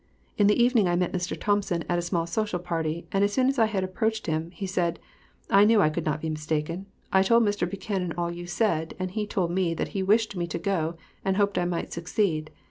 In the evening I met Mr. Thompson at a small social party, and as soon as I approached him, he said, "I knew I could not be mistaken. I told Mr. Buchanan all you said, and he told me that he wished me to go, and hoped I might succeed."